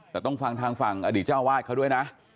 แต่ต้องฟังทางฝั่งอดีตเจ้าวาดเขาด้วยนะ